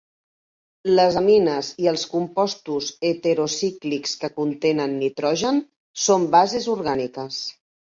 Les amines i els compostos heterocíclics que contenen nitrogen són bases orgàniques.